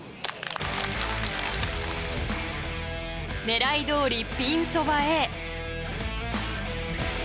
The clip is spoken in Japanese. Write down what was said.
狙いどおり、ピンそばへ。